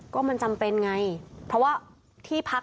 ขอบคุณครับ